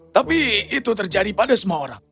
tapi itu terjadi pada semua orang